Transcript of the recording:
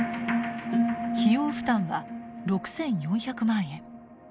費用負担は６，４００万円。